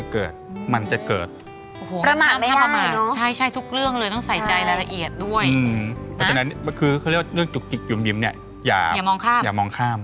เพราะฉะนั้นคือเรื่องจุกจิกยุ่มยิ้มเนี่ยอย่ามองข้าม